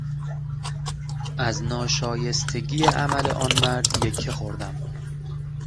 از ناشایستگی عمل آن مرد یکه خوردم.